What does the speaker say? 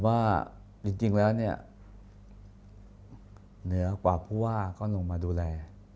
ว่าจริงแล้วเนี่ยเหนือกว่าผู้ว่าก็ลงมาดูแล